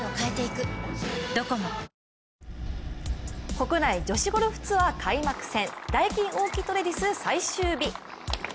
国内女子ゴルフツアー開幕戦、ダイキンオーキッドレディス最終日。